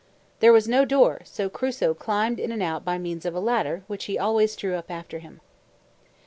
There was no door, so Crusoe climbed in and out by means of a ladder which he always drew up after him.